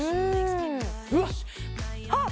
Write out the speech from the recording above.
うわっあっ